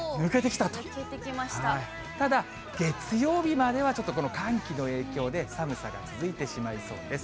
ただ、月曜日までは、ちょっとこの寒気の影響で、寒さが続いてしまいそうです。